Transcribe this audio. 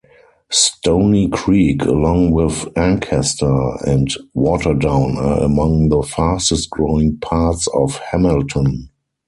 Stoney Creek, along with Ancaster and Waterdown are among the fastest-growing parts of Hamilton.